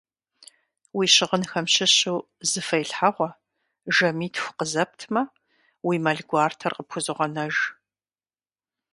Уи щыгъынхэм щыщу зы фэилъхьэгъуэ, жэмитху къызэптмэ, уи мэл гуартэр къыпхузогъэнэж.